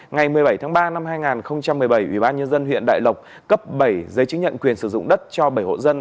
ngày một mươi bảy tháng ba năm hai nghìn một mươi bảy ủy ban nhân dân huyện đại lộc cấp bảy giấy chứng nhận quyền sử dụng đất cho bảy hộ dân